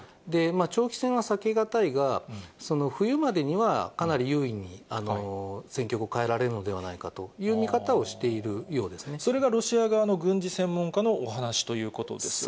長期戦は避け難いが、冬までにはかなり優位に戦局を変えられるのではないかという見方それがロシア側の軍事専門家そうですね。